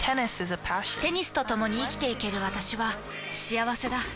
テニスとともに生きていける私は幸せだ。